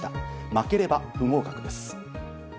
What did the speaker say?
負ければ不合格です。